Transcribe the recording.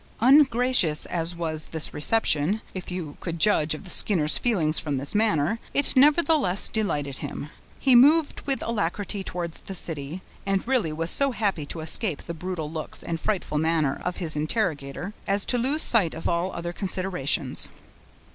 Ungracious as was this reception, if you could judge of the Skinner's feelings from his manner, it nevertheless delighted him. He moved with alacrity towards the city, and really was so happy to escape the brutal looks and frightful manner of his interrogator, as to lose sight of all other considerations.